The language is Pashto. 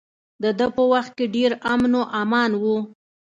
د ده په وخت کې ډیر امن و امان و.